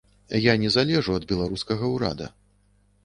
Я не залежу ад беларускага ўрада.